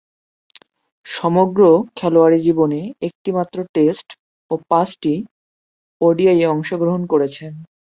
সমগ্র খেলোয়াড়ী জীবনে একটিমাত্র টেস্ট ও পাঁচটি ওডিআইয়ে অংশগ্রহণ করেছেন।